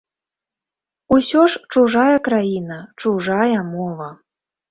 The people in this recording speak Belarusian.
Усё ж чужая краіна, чужая мова.